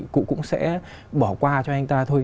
cụ cũng sẽ bỏ qua cho anh ta thôi